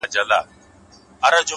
نیک اخلاق خاموش عزت زېږوي.